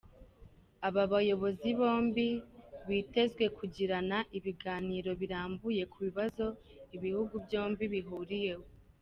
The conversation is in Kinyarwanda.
Aba bayobozi bombi bitezwe kugirana ibiganiro birambuye ku bibazo ibihugu byombi bihuriyeho.